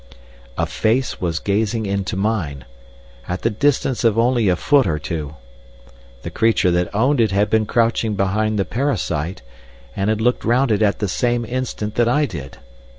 A face was gazing into mine at the distance of only a foot or two. The creature that owned it had been crouching behind the parasite, and had looked round it at the same instant that I did.